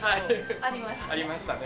ありましたね。